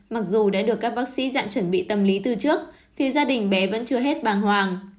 mặc dù đã được các bác sĩ dạn chuẩn bị tâm lý từ trước thì gia đình bé vẫn chưa hết bàng hoàng